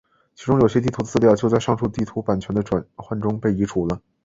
其中有些地图的资料就在上述地图版权的转换中被移除了。